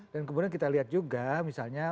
dan kemudian kita lihat juga misalnya